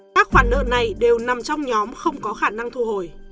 các khoản nợ này đều nằm trong nhóm không có khả năng thu hồi